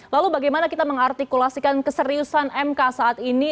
lalu bagaimana kita mengartikulasikan keseriusan mk saat ini